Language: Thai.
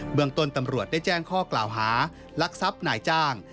เมืองต้นตำรวจได้แจ้งข้อกล่าวหาลักทรัพย์นายจ้าง